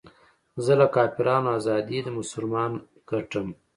زه له کافرانو ازادي د مسلمان ګټم